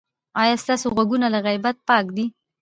ایا ستاسو غوږونه له غیبت پاک دي؟